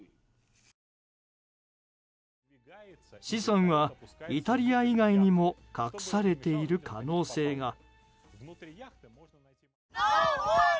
資産はイタリア以外にも隠されている可能性が。